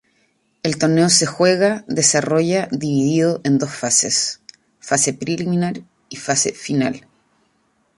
El torneo se juega desarrolla dividido en dos fases: fase preliminar y fase final.